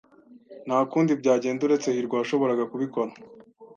Nta kundi byagenda uretse hirwa washoboraga kubikora.